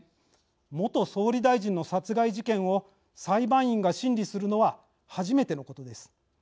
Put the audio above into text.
元総理大臣の殺害事件を裁判員が審理するのは初めてのことです。